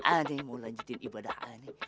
aneh mau lanjutin ibadah aneh